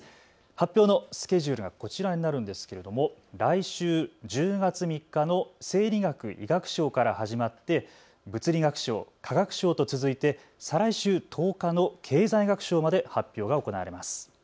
発表のスケジュールがこちらになるんですけれども来週１０月３日の生理学・医学賞から始まって物理学賞、化学賞と続いて再来週１０日の経済学賞まで発表が行われます。